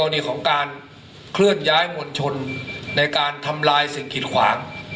ในการทำลายสิ่งกินขวาง